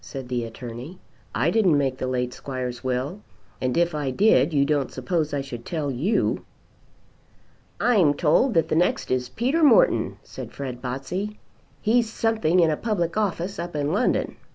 said the Attorney. "I didn't make the late squire's will; and if I did you don't suppose I should tell you." "I'm told that the next is Peter Morton," said Fred Botsey. "He's something in a public office up in London."